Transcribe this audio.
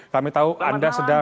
kami tahu anda sedang